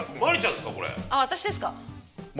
私ですか？